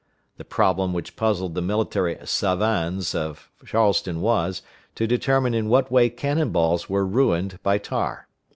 The problem which puzzled the military savans of Charleston was, to determine in what way cannon balls were ruined by tar.